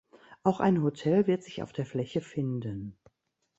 Auch ein Hotel wird sich auf der Fläche finden.